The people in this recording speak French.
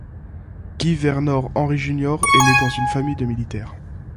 Guy Vernor Henry Junior est né dans une famille de militaires.